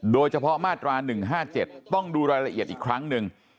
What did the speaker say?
โดยเฉพาะมาตรา๑๕๗ต้องดูรายละเอียดอีกครั้งหนึ่ง